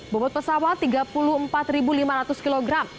bobot pesawat tiga puluh empat lima ratus kg